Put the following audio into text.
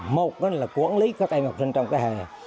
một là quản lý các em học sinh trong cái hè